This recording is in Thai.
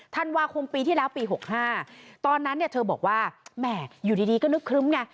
ธันวาคมปีที่แล้วปี๖๕ตอนนั้นเนี่ยเธอบอกว่าแหม่อยู่ดีก็นึกครึ้มไง